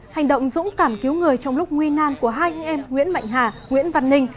hành động dũng cảm cứu người trong lúc nguy nan của hai anh em nguyễn mạnh hà nguyễn văn ninh